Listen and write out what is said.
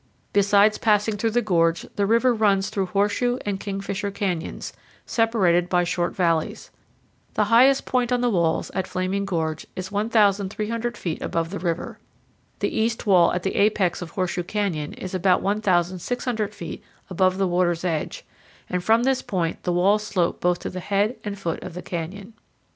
Besides passing through the gorge, the river runs through Horseshoe and Kingfisher canyons, separated by short valleys. The highest point on the walls at Flaming Gorge is 1,300 feet above the river. The east wall at the apex of Horseshoe Canyon is about 1,600 feet above the water's edge, and from this point the walls slope both to the head and foot of the canyon.